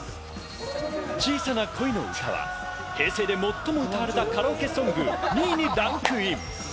『小さな恋のうた』は平成で最も歌われたカラオケソング２位にランクイン。